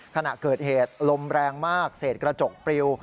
ขณะเกิดเหตุลมแรงมากเศษกระจกปลิว